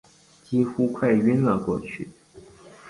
几乎快晕了过去